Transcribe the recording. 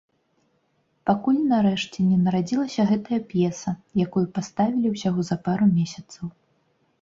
Пакуль, нарэшце, не нарадзілася гэтая п'еса, якую паставілі ўсяго за пару месяцаў.